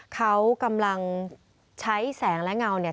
เขากำลังใช้แสงและเงาเนี่ย